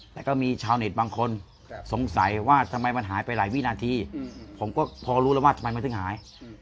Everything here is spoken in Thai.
แต่ก็มีชาวเน็ตบางคนสงสัยว่าทำไมมันหายไปหลายวินาทีผมก็พอรู้แล้วว่าทำไมมันถึงหาย